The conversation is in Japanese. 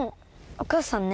お母さんね